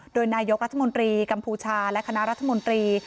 โดยนายกรัฐมนตรีกัมพูชาและคณะรัฐมนตรี